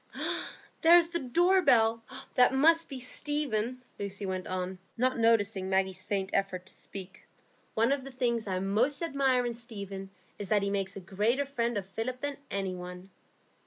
"Ah, there is the door bell. That must be Stephen," Lucy went on, not noticing Maggie's faint effort to speak. "One of the things I most admire in Stephen is that he makes a greater friend of Philip than any one."